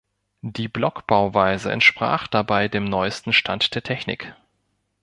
Die Blockbauweise entsprach dabei dem neusten Stand der Technik.